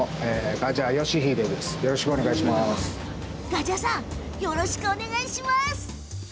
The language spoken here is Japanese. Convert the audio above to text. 我謝さんよろしくお願いいたします。